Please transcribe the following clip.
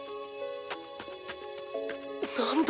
何だ？